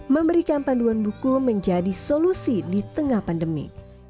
memberikan panduan buku menjadi solusi di tengah pandemi